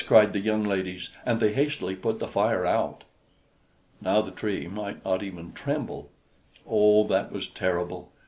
cried the young ladies; and they hastily put the fire out. Now the Tree might not even tremble. Oh, that was terrible!